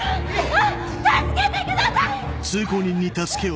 あっ助けてください！